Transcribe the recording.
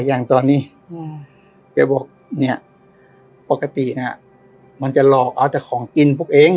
อย่างตอนนี้แกบอกเนี่ยปกติเนี่ยมันจะหลอกเอาแต่ของกินพวกเอง